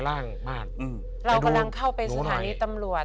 เรากำลังเข้าไปสถานีตำรวจ